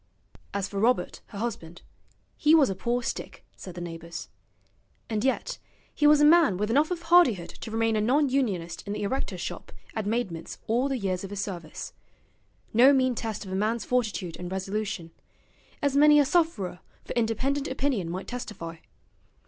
As for Robert her husband, he was a poor stick, said the neighbours. And yet he was a man with enough of hardihood to remain a non unionist in the erectors' shop at Maidment's all the years of his service; no mean test of a man's fortitude and resolution, as many a sufferer for independent opinion might testify.